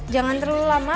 jangan terlalu lama